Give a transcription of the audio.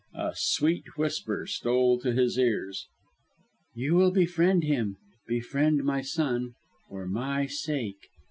A sweet whisper stole to his ears: "You will befriend him, befriend my son for my sake."